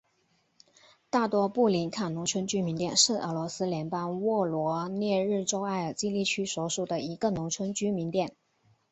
大多布林卡农村居民点是俄罗斯联邦沃罗涅日州埃尔季利区所属的一个农村居民点。